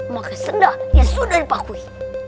makanya sedal yang sudah dipakui